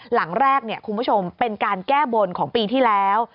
หลังแรกคุณผู้ชมเป็นการแก้บนของปีที่แล้ว